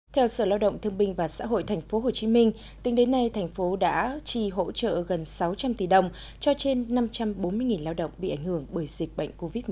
theo sở lao động thương binh và xã hội tp hcm tính đến nay thành phố đã trì hỗ trợ gần sáu trăm linh tỷ đồng cho trên năm trăm bốn mươi lao động bị ảnh hưởng bởi dịch bệnh covid một mươi chín